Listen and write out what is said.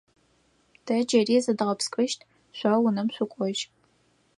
Тэ джыри зыдгъэпскӏыщт, шъо унэм шъукӏожь.